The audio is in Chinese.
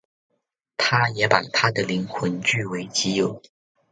他也把她的灵魂据为己有。